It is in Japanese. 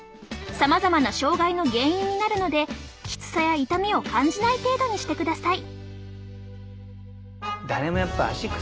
さまざまな障害の原因になるのできつさや痛みを感じない程度にしてください。